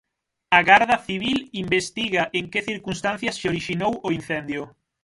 A Garda Civil investiga en que circunstancias se orixinou o incendio.